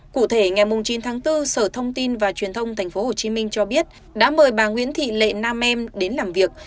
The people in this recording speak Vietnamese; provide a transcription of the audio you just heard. cụ thể ngày chín tháng bốn sở thông tin và truyền thông tp hcm cho biết đã mời bà nguyễn thị lệ nam em đến làm việc